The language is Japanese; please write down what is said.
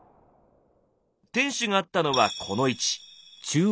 天守があったのはこの位置。